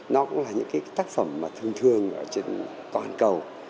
nó cũng là những cái tác phẩm thương thương trên toàn cầu